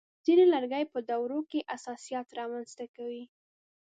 ځینې لرګي په دوړو کې حساسیت رامنځته کوي.